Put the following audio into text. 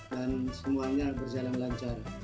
dan semuanya berjalan lancar